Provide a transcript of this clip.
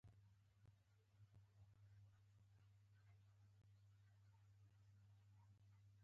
د پلاستیکي لوښو کوچنۍ فابریکې په بلخ کې فعالې دي.